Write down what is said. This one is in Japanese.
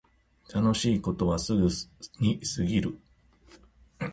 楽しいことはすぐに過ぎる